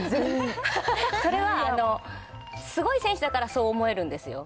それは、すごい選手だからそう思えるんですよ。